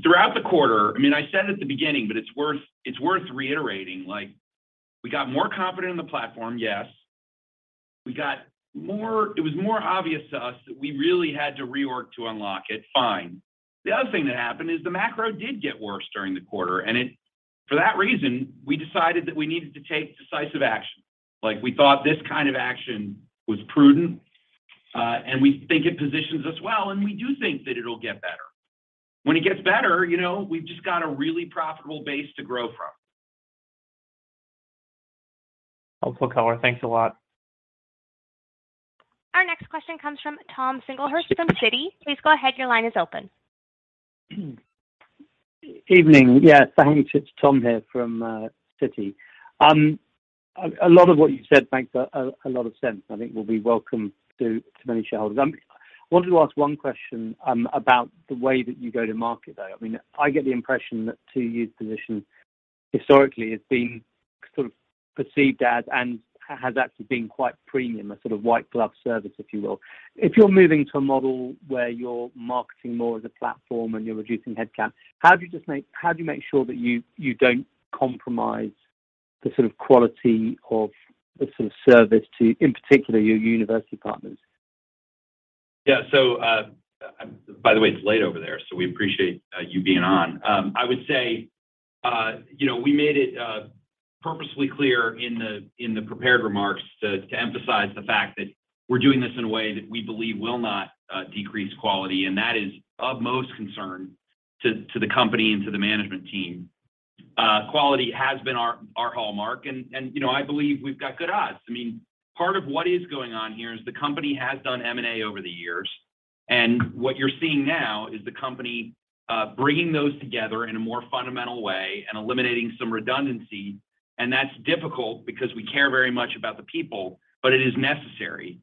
throughout the quarter, I mean, I said at the beginning, but it's worth reiterating, like we got more confident in the platform, yes. It was more obvious to us that we really had to reorg to unlock it, fine. The other thing that happened is the macro did get worse during the quarter, and for that reason, we decided that we needed to take decisive action. Like, we thought this kind of action was prudent, and we think it positions us well, and we do think that it'll get better. When it gets better, you know, we've just got a really profitable base to grow from. Helpful color. Thanks a lot. Our next question comes from Thomas Singlehurst from Citi. Please go ahead, your line is open. Evening. Yes, thanks. It's Thomas Singlehurst here from Citi. A lot of what you said makes a lot of sense. I think will be welcome to many shareholders. I wanted to ask one question about the way that you go to market, though. I mean, I get the impression that 2U's position historically has been sort of perceived as, and has actually been quite premium, a sort of white glove service, if you will. If you're moving to a model where you're marketing more as a platform and you're reducing headcount, how do you make sure that you don't compromise the sort of quality of the sort of service to, in particular, your university partners? Yeah. By the way, it's late over there, so we appreciate you being on. I would say, you know, we made it purposefully clear in the prepared remarks to emphasize the fact that we're doing this in a way that we believe will not decrease quality, and that is of most concern to the company and to the management team. Quality has been our hallmark, and you know, I believe we've got good odds. I mean, part of what is going on here is the company has done M&A over the years. What you're seeing now is the company bringing those together in a more fundamental way and eliminating some redundancy, and that's difficult because we care very much about the people, but it is necessary.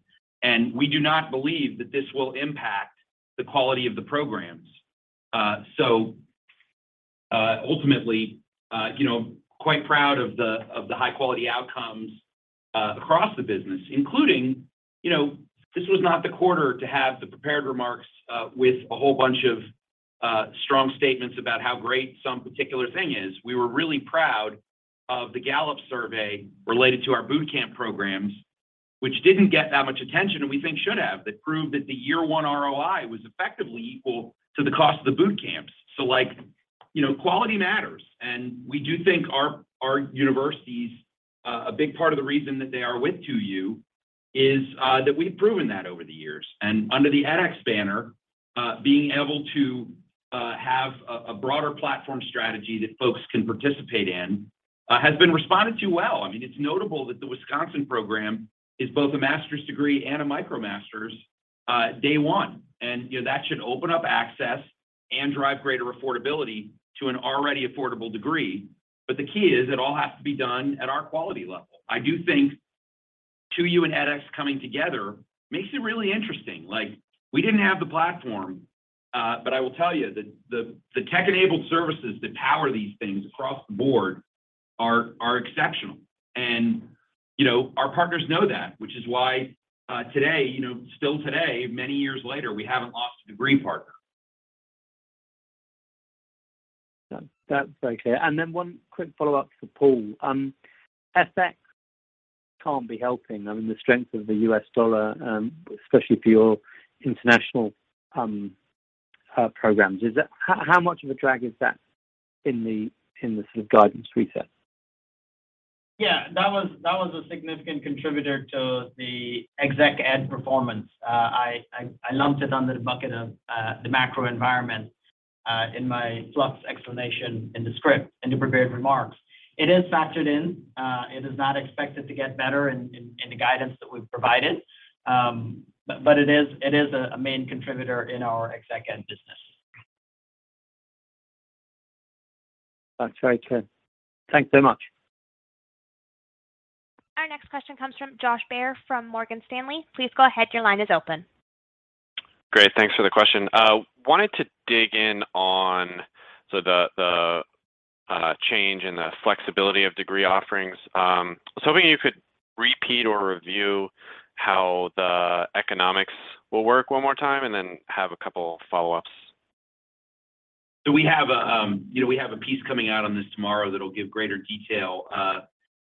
We do not believe that this will impact the quality of the programs. So, ultimately, you know, quite proud of the high-quality outcomes across the business, including, you know, this was not the quarter to have the prepared remarks with a whole bunch of strong statements about how great some particular thing is. We were really proud of the Gallup survey related to our boot camp programs, which didn't get that much attention, and we think should have, that proved that the year one ROI was effectively equal to the cost of the boot camps. Like, you know, quality matters. We do think our universities a big part of the reason that they are with 2U is that we've proven that over the years. Under the edX banner, being able to have a broader platform strategy that folks can participate in has been responded to well. I mean, it's notable that the Wisconsin program is both a master's degree and a MicroMasters day one. You know, that should open up access and drive greater affordability to an already affordable degree. But the key is it all has to be done at our quality level. I do think 2U and edX coming together makes it really interesting. Like, we didn't have the platform, but I will tell you that the tech-enabled services that power these things across the board are exceptional. You know, our partners know that, which is why today, you know, still today, many years later, we haven't lost a degree partner. That's very clear. One quick follow-up for Paul. FX can't be helping. I mean, the strength of the US dollar, especially for your international programs. How much of a drag is that in the sort of guidance reset? Yeah. That was a significant contributor to the Exec-Ed performance. I lumped it under the bucket of the macro environment in my fluff explanation in the script, in the prepared remarks. It is factored in. It is not expected to get better in the guidance that we've provided. It is a main contributor in our Exec-Ed business. That's very clear. Thanks so much. Our next question comes from Josh Baer from Morgan Stanley. Please go ahead, your line is open. Great. Thanks for the question. Wanted to dig in on the change in the flexibility of degree offerings. Was hoping you could repeat or review how the economics will work one more time, and then have a couple follow-ups. We have a piece coming out on this tomorrow that'll give greater detail.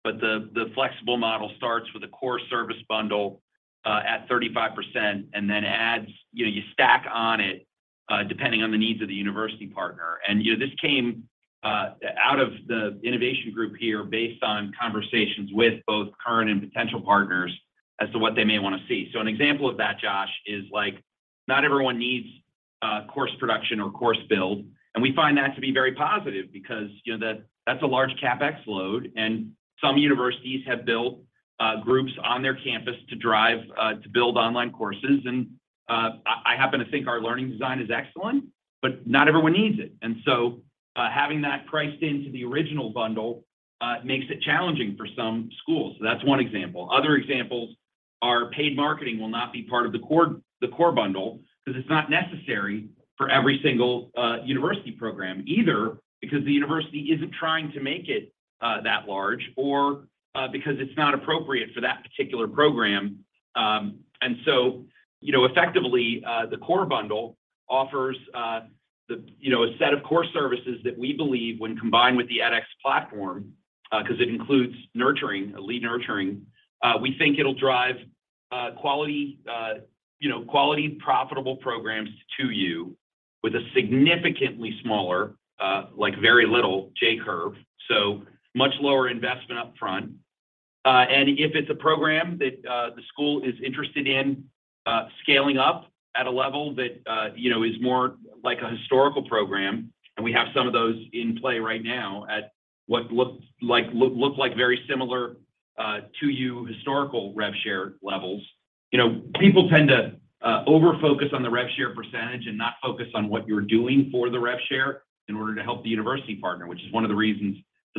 The flexible model starts with a core service bundle at 35%, and then adds, you know, you stack on it depending on the needs of the university partner. You know, this came out of the innovation group here based on conversations with both current and potential partners as to what they may wanna see. An example of that, Josh, is like, not everyone needs a course production or course build. We find that to be very positive because, you know, that's a large CapEx load, and some universities have built groups on their campus to drive to build online courses. I happen to think our learning design is excellent, but not everyone needs it. Having that priced into the original bundle makes it challenging for some schools. That's one example. Other examples are paid marketing will not be part of the core bundle 'cause it's not necessary for every single university program either because the university isn't trying to make it that large or because it's not appropriate for that particular program. You know, effectively, the core bundle offers you know a set of core services that we believe when combined with the edX platform 'cause it includes nurturing, a lead nurturing, we think it'll drive quality profitable programs to you with a significantly smaller like very little J curve, so much lower investment up front. If it's a program that the school is interested in scaling up at a level that you know is more like a historical program, and we have some of those in play right now at what looks like very similar, too, to historical rev share levels. You know, people tend to over-focus on the rev share percentage and not focus on what you're doing for the rev share in order to help the university partner, which is one of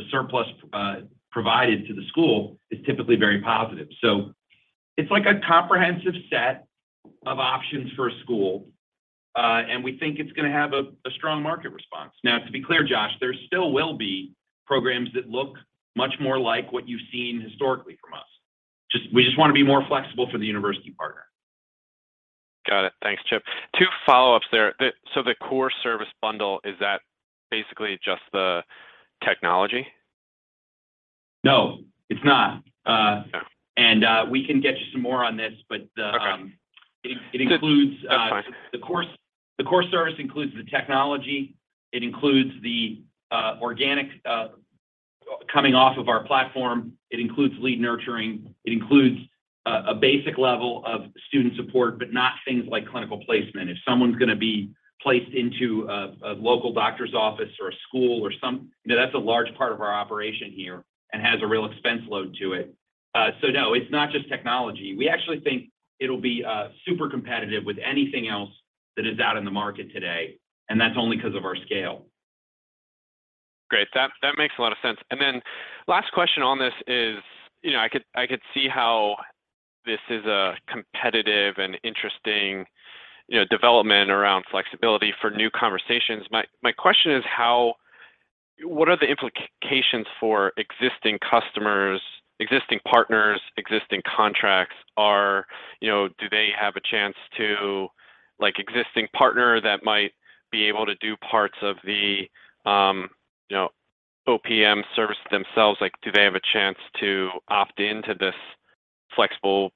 the reasons the surplus provided to the school is typically very positive. It's like a comprehensive set of options for a school, and we think it's gonna have a strong market response. Now, to be clear, Josh, there still will be programs that look much more like what you've seen historically from us. We just wanna be more flexible for the university partner. Got it. Thanks, Chip. Two follow-ups there. The core service bundle, is that basically just the technology? No, it's not. Okay. We can get you some more on this, but.... Okay. ....it includes That's fine. The core service includes the technology, it includes the organic coming off of our platform, it includes lead nurturing, it includes a basic level of student support, but not things like clinical placement. If someone's gonna be placed into a local doctor's office or a school or some, you know, that's a large part of our operation here and has a real expense load to it. So no, it's not just technology. We actually think it'll be super competitive with anything else that is out in the market today, and that's only 'cause of our scale. Great. That makes a lot of sense. Then last question on this is, you know, I could see how this is a competitive and interesting, you know, development around flexibility for new conversations. My question is what are the implications for existing customers, existing partners, existing contracts? You know, do they have a chance to, like existing partner that might be able to do parts of the, you know, OPM services themselves, like, do they have a chance to opt into this flexible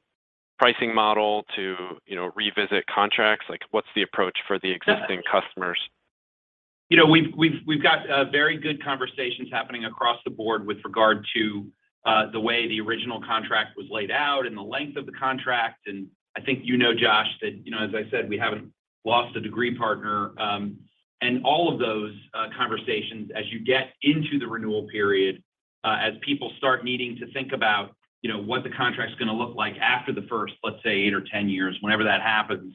pricing model to, you know, revisit contracts? Like, what's the approach for the existing customers? You know, we've got very good conversations happening across the board with regard to the way the original contract was laid out and the length of the contract. I think you know, Josh, that, you know, as I said, we haven't lost a degree partner. All of those conversations as you get into the renewal period, as people start needing to think about, you know, what the contract's gonna look like after the first, let's say, eight or 10 years, whenever that happens,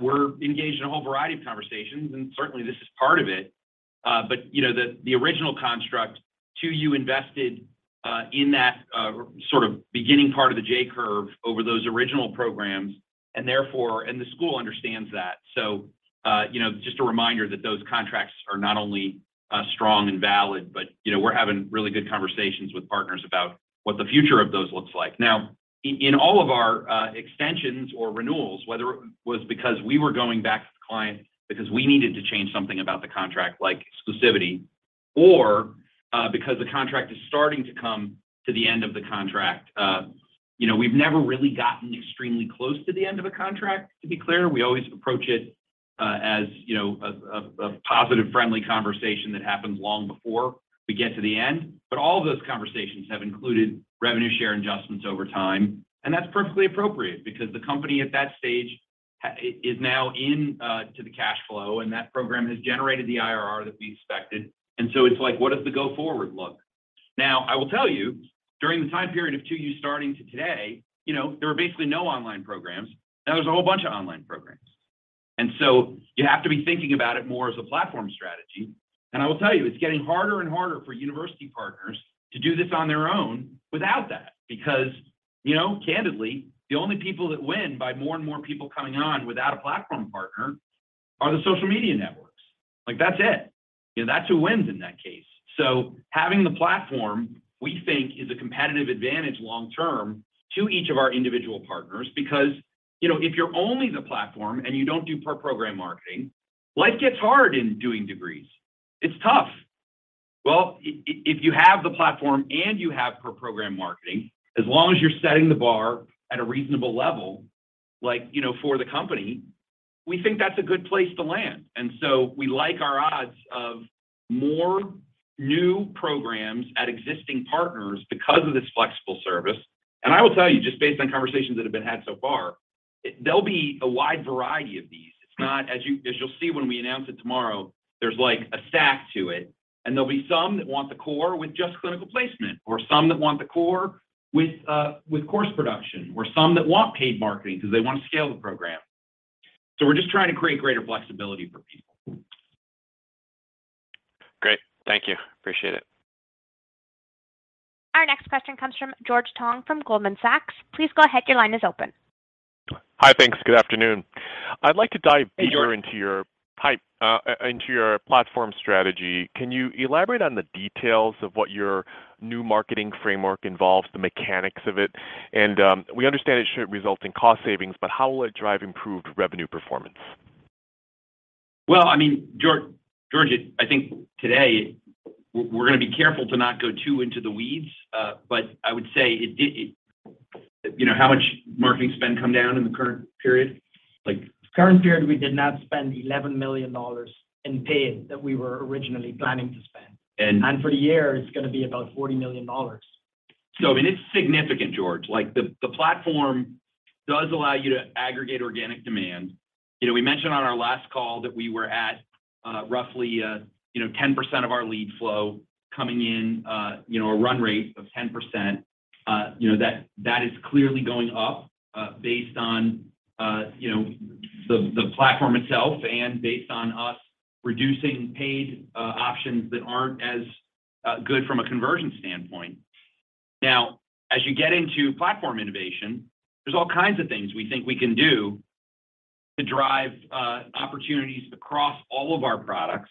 we're engaged in a whole variety of conversations, and certainly this is part of it. You know, the original construct 2U invested in that sort of beginning part of the J-curve over those original programs, and therefore the school understands that. you know, just a reminder that those contracts are not only strong and valid, but you know, we're having really good conversations with partners about what the future of those looks like. Now, in all of our extensions or renewals, whether it was because we were going back to the client because we needed to change something about the contract like exclusivity or because the contract is starting to come to the end of the contract, you know, we've never really gotten extremely close to the end of a contract, to be clear. We always approach it as you know, a positive, friendly conversation that happens long before we get to the end. All of those conversations have included revenue share adjustments over time, and that's perfectly appropriate because the company at that stage is now into the cash flow, and that program has generated the IRR that we expected. It's like, what does the go forward look? Now, I will tell you, during the time period of 2U starting to today, you know, there were basically no online programs. Now there's a whole bunch of online programs. You have to be thinking about it more as a platform strategy. I will tell you, it's getting harder and harder for university partners to do this on their own without that because, you know, candidly, the only people that win by more and more people coming on without a platform partner are the social media networks. Like, that's it. You know, that's who wins in that case. Having the platform, we think is a competitive advantage long term to each of our individual partners because, you know, if you're only the platform and you don't do per program marketing, life gets hard in doing degrees. It's tough. Well, if you have the platform and you have per program marketing, as long as you're setting the bar at a reasonable level, like, you know, for the company, we think that's a good place to land. We like our odds of more new programs at existing partners because of this flexible service. I will tell you, just based on conversations that have been had so far. There'll be a wide variety of these. As you'll see when we announce it tomorrow, there's, like, a stack to it, and there'll be some that want the core with just clinical placement or some that want the core with course production, or some that want paid marketing 'cause they wanna scale the program. We're just trying to create greater flexibility for people. Great. Thank you. Appreciate it. Our next question comes from George Tong from Goldman Sachs. Please go ahead. Your line is open. Hi. Thanks. Good afternoon. I'd like to dive deeper. Hey, George. Hi. Into your platform strategy. Can you elaborate on the details of what your new marketing framework involves, the mechanics of it? We understand it should result in cost savings, but how will it drive improved revenue performance? Well, I mean, George, I think today we're gonna be careful to not go too into the weeds, but I would say it did. You know, how much marketing spend come down in the current period? Current period, we did not spend $11 million in paid that we were originally planning to spend. And- For the year, it's gonna be about $40 million. I mean, it's significant, George. Like, the platform does allow you to aggregate organic demand. You know, we mentioned on our last call that we were at roughly 10% of our lead flow coming in, you know, a run rate of 10%. You know, that is clearly going up based on the platform itself and based on us reducing paid options that aren't as good from a conversion standpoint. Now, as you get into platform innovation, there's all kinds of things we think we can do to drive opportunities across all of our products,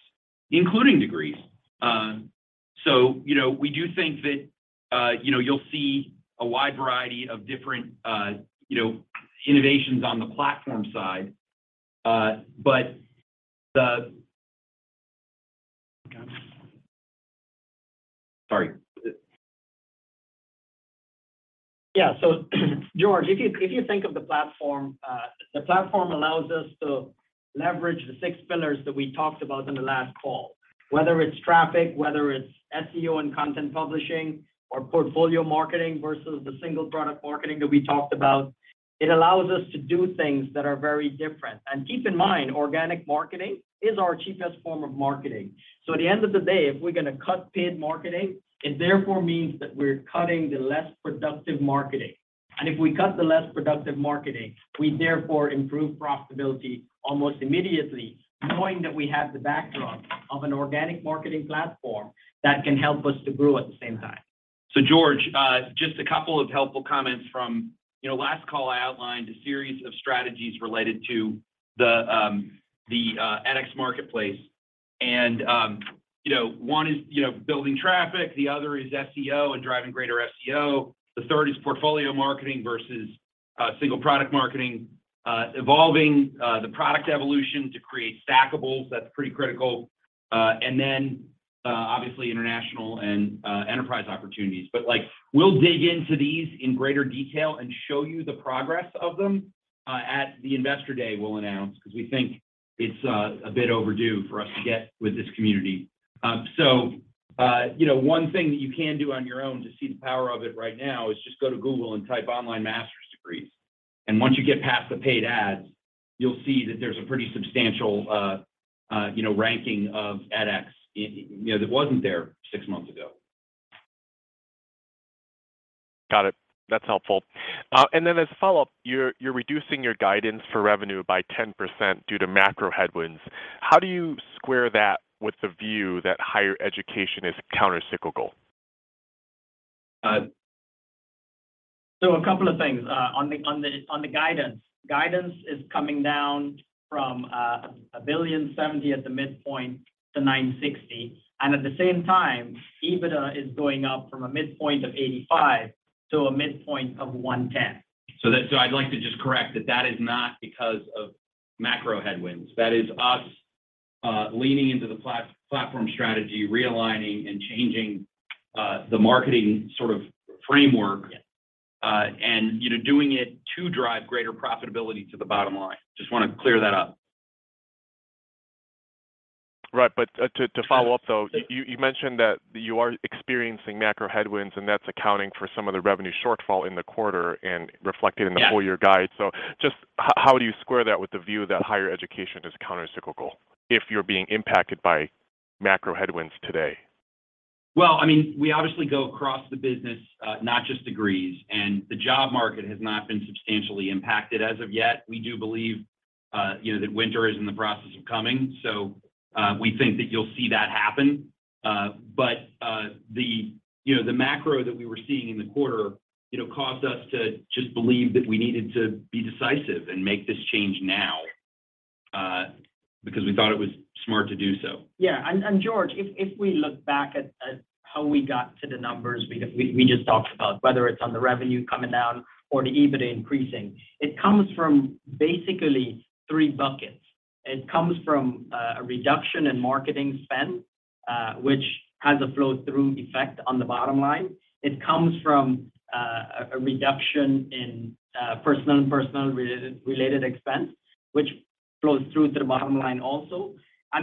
including degrees. You know, we do think that you'll see a wide variety of different innovations on the platform side. And but- Yeah. George, if you think of the platform, the platform allows us to leverage the six pillars that we talked about in the last call. Whether it's traffic, whether it's SEO and content publishing or portfolio marketing versus the single product marketing that we talked about, it allows us to do things that are very different. Keep in mind, organic marketing is our cheapest form of marketing. At the end of the day, if we're gonna cut paid marketing, it therefore means that we're cutting the less productive marketing. If we cut the less productive marketing, we therefore improve profitability almost immediately, knowing that we have the backdrop of an organic marketing platform that can help us to grow at the same time. George, just a couple of helpful comments from you know, last call, I outlined a series of strategies related to the edX marketplace. You know, one is you know, building traffic, the other is SEO and driving greater SEO. The third is portfolio marketing versus single product marketing, evolving the product evolution to create stackables, that's pretty critical. And then obviously international and enterprise opportunities. Like, we'll dig into these in greater detail and show you the progress of them at the Investor Day we'll announce 'cause we think it's a bit overdue for us to get with this community. You know, one thing that you can do on your own to see the power of it right now is just go to Google and type online master's degrees. Once you get past the paid ads, you'll see that there's a pretty substantial, you know, ranking of edX, you know, that wasn't there six months ago. Got it. That's helpful. As a follow-up, you're reducing your guidance for revenue by 10% due to macro headwinds. How do you square that with the view that higher education is countercyclical? A couple of things on the guidance. Guidance is coming down from $1.70 billion at the midpoint to $960 million, and at the same time, EBITDA is going up from a midpoint of $85 million to a midpoint of $110 million. I'd like to just correct that that is not because of macro headwinds. That is us leaning into the platform strategy, realigning and changing the marketing sort of framework, and you know, doing it to drive greater profitability to the bottom line. Just wanna clear that up. Right. To follow up, you mentioned that you are experiencing macro headwinds, and that's accounting for some of the revenue shortfall in the quarter and reflected in the full-year guidance. Yes. Just how do you square that with the view that higher education is countercyclical if you're being impacted by macro headwinds today? Well, I mean, we obviously go across the business, not just degrees, and the job market has not been substantially impacted as of yet. We do believe, you know, that winter is in the process of coming, so we think that you'll see that happen. The macro that we were seeing in the quarter, you know, caused us to just believe that we needed to be decisive and make this change now, because we thought it was smart to do so. Yeah. George, if we look back at how we got to the numbers we just talked about, whether it's on the revenue coming down or the EBITDA increasing, it comes from basically three buckets. It comes from a reduction in marketing spend, which has a flow-through effect on the bottom line. It comes from a reduction in personnel related expense, which flows through to the bottom line also.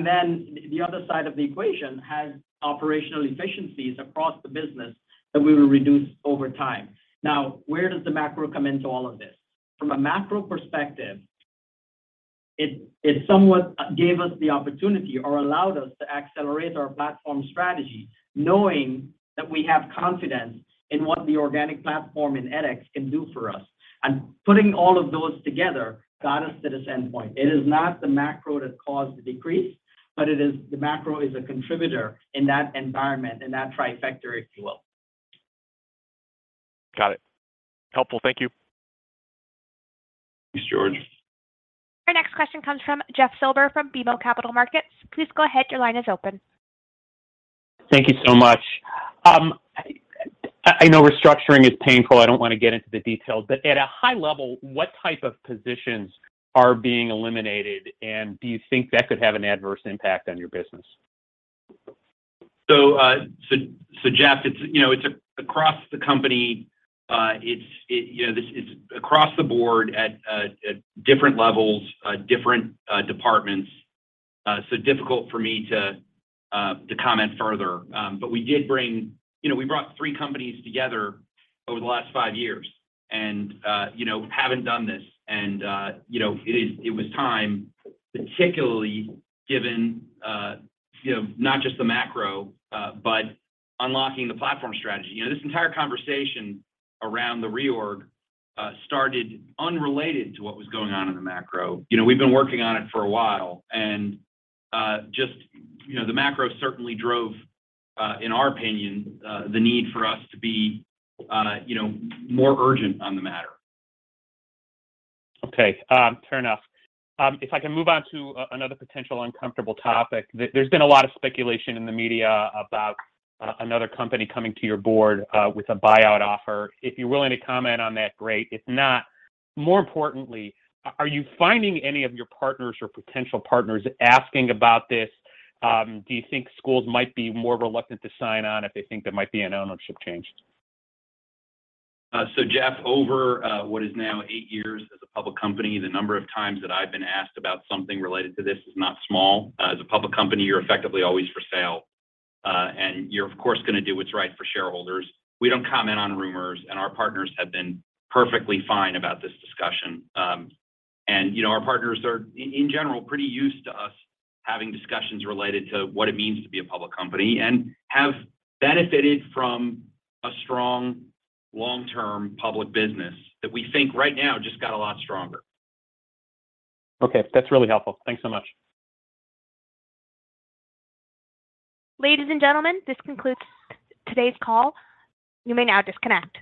Then the other side of the equation has operational efficiencies across the business that we will reduce over time. Now, where does the macro come into all of this? From a macro perspective, it somewhat gave us the opportunity or allowed us to accelerate our platform strategy, knowing that we have confidence in what the organic platform in edX can do for us. Putting all of those together got us to this endpoint. It is not the macro that caused the decrease, but it is, the macro is a contributor in that environment, in that trifecta, if you will. Got it. Helpful. Thank you. Thanks, George. Our next question comes from Jeff Silber from BMO Capital Markets. Please go ahead. Your line is open. Thank you so much. I know restructuring is painful, I don't wanna get into the details, but at a high level, what type of positions are being eliminated, and do you think that could have an adverse impact on your business? Jeff, it's, you know, it's across the company. It's you know this is across the board at different levels, different departments. Difficult for me to comment further. We did bring, you know, we brought three companies together over the last five years and, you know, haven't done this and, you know, it was time, particularly given, you know, not just the macro, but unlocking the platform strategy. You know, this entire conversation around the reorg started unrelated to what was going on in the macro. You know, we've been working on it for a while and, just, you know, the macro certainly drove, in our opinion, the need for us to be, you know, more urgent on the matter. Okay. Fair enough. If I can move on to another potential uncomfortable topic. There's been a lot of speculation in the media about another company coming to your board with a buyout offer. If you're willing to comment on that, great. If not, more importantly, are you finding any of your partners or potential partners asking about this? Do you think schools might be more reluctant to sign on if they think there might be an ownership change? Jeff, over what is now eight years as a public company, the number of times that I've been asked about something related to this is not small. As a public company, you're effectively always for sale, and you're of course gonna do what's right for shareholders. We don't comment on rumors, and our partners have been perfectly fine about this discussion. You know, our partners are in general pretty used to us having discussions related to what it means to be a public company and have benefited from a strong long-term public business that we think right now just got a lot stronger. Okay. That's really helpful. Thanks so much. Ladies and gentlemen, this concludes today's call. You may now disconnect.